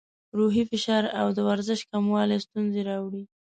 روحي فشار او د ورزش کموالی ستونزې راوړي.